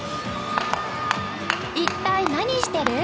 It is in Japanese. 一体何してる？